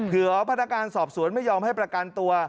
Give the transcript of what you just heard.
พนักงานสอบสวนไม่ยอมให้ประกันตัว